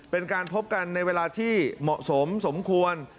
เป็นการพบกันในเวลาที่เหมาะสมสมควร